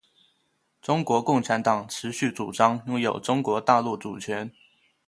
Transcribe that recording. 中国共产党持续主张拥有中国大陆主权。